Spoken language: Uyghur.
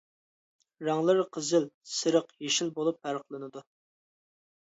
رەڭلىرى قىزىل، سېرىق، يېشىل بولۇپ پەرقلىنىدۇ.